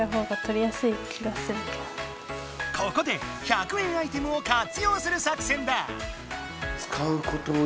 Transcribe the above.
ここで１００円アイテムを活用する作せんだ。